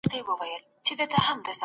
آيا رسوت ټولنه له دننه خوري؟